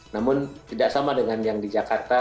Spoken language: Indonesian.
namun tidak sama dengan yang di jakarta